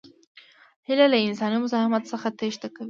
هیلۍ له انساني مزاحمت څخه تېښته کوي